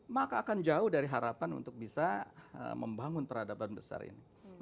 maka akan jauh dari harapan untuk bisa membangun peradaban besar ini